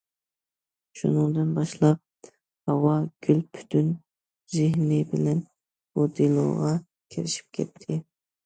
شۇنىڭدىن باشلاپ ھاۋاگۈل پۈتۈن زېھنى بىلەن بۇ دېلوغا كىرىشىپ كەتتى.